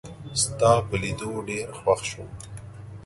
ستا په لیدو ډېر خوښ شوم